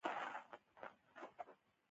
غوښې د افغان کلتور سره تړاو لري.